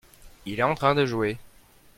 il est en train de jouer.